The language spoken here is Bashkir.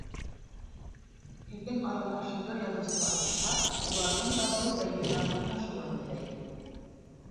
Һеҙҙең арала шиғыр яҙыусылар булһа, уларҙың да был бәйгелә ҡатнашыуын теләй.